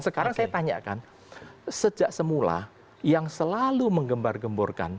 sekarang saya tanyakan sejak semula yang selalu menggembar gemborkan